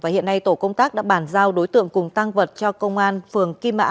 hiện nay tổ công tác đã bàn giao đối tượng cùng tăng vật cho công an phường kim mã